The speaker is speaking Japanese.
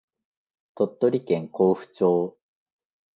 鳥取県江府町